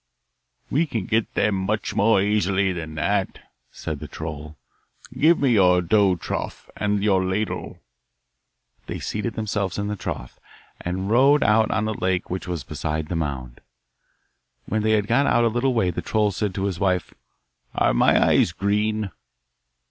'We can get them much more easily than that,' said the troll. 'Give me your dough trough and your ladle.' They seated themselves in the trough, and rowed out on the lake which was beside the mound. When they had got out a little way the troll said to his wife, 'Are my eyes green?